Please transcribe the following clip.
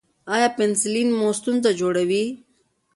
ایا پنسلین مو ستونزه جوړوي؟